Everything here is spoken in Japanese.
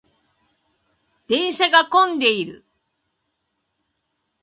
電車が混んでいる。